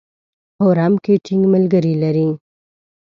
حرم کې ټینګ ملګري لري.